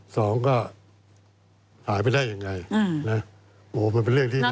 สองก็หายไปได้ยังไงนะโอ้โหมันเป็นเรื่องที่